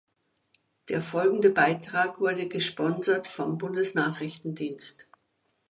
Der folgende Beitrag wurde gesponsert vom Bundesnachrichtendienst.